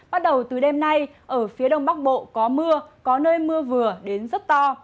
bắt đầu từ đêm nay ở phía đông bắc bộ có mưa có nơi mưa vừa đến rất to